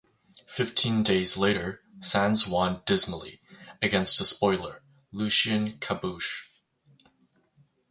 Fifteen days later Sands won, dismally, against a spoiler, Lucien Caboche.